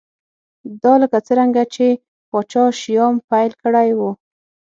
دا لکه څرنګه چې پاچا شیام پیل کړی و